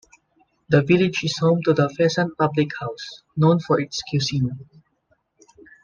The village is home to the Pheasant public house, known for its cuisine.